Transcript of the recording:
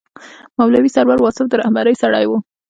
مولوي سرور واصف د رهبرۍ سړی و.